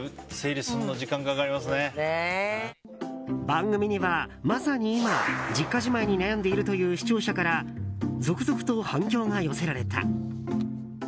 番組には、まさに今実家じまいに悩んでいるという視聴者から続々と反響が寄せられた。